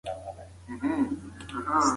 خلک باید دا لوبه په دقت وڅاري.